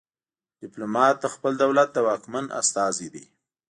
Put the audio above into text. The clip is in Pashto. ډیپلومات د خپل دولت د واکمن استازی دی